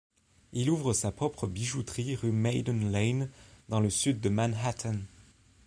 Il ouvre sa propre bijouterie rue Maiden Lane dans le sud de Manhattan.